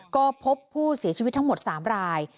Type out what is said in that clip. ก็พบผู้เสียชีวิตทั้งหมด๓ราย